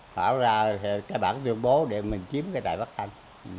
thảo ra cái bản đường bố để mình chiếm cái đài phát thanh